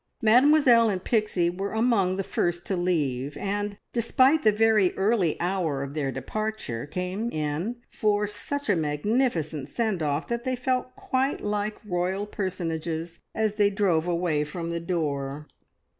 Mademoiselle and Pixie were among the first to leave, and, despite the very early hour of their departure, came in for such a magnificent "send off" that they felt quite like royal personages as they drove away from the door.